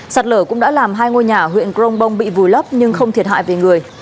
sạt lở cũng đã làm hai ngôi nhà huyện grongbong bị vùi lấp nhưng không thiệt hại về người